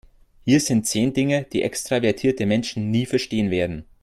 Hier sind zehn Dinge, die extravertierte Menschen nie verstehen werden.